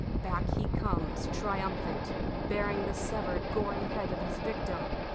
. Back he comes, triumphant, bearing the severed, gory head of his victim .